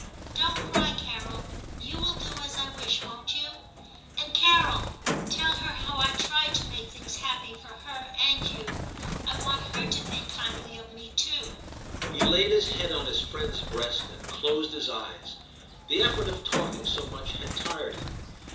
Don't cry, Carol ; you will do as I wish, won't you ? And, Carol, tell her how I tried to make things happy for her and you; I want her to think kindly of me too.' He laid his head on his friend's breast and closed his eyes ; the effort of talking so much had tired him.